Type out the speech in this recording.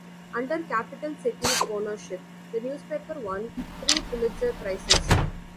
Under Capital Cities ownership the newspaper won three Pulitzer Prizes.